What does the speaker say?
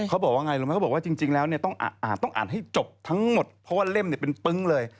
เพราะว่าเล่มเป็นปึ๊งเลย